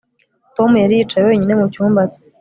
Tom yari yicaye wenyine mu cyumba cye